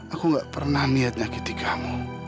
aku gak pernah niat nyakiti kamu